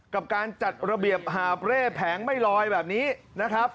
กับการจัดระเบียบหาบเร่แผงไม่ลอยแบบนี้นะครับ